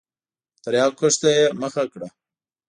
د تریاکو کښت ته یې مخه کړه.